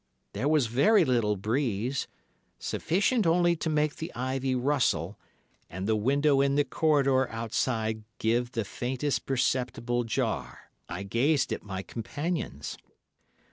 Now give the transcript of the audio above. There was very little breeze, sufficient only to make the ivy rustle and the window in the corridor outside give the faintest perceptible jar. I gazed at my companions.